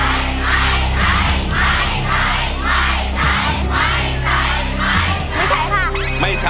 ไม่ใช้ไม่ใช้ไม่ใช้ไม่ใช้ไม่ใช้ค่ะไม่ใช้